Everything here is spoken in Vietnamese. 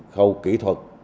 khâu kỹ thuật